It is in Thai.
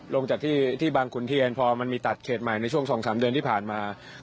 ลงจากที่บางขุนเทียนพอมันมีตัดเขตใหม่ในช่วง๒๓เดือนที่ผ่านมา